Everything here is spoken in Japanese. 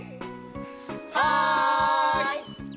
はい！